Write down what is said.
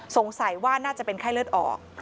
สงสัยว่าน่าจะเป็นไข้เลือดออก